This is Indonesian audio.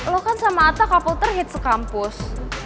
lo kan sama atta couple terhits sekampus